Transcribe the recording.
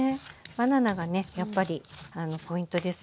バナナがねやっぱりポイントですね